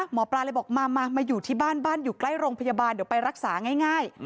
หมอปลาเลยบอกมามาอยู่ที่บ้านบ้านอยู่ใกล้โรงพยาบาลเดี๋ยวไปรักษาง่าย